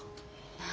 何？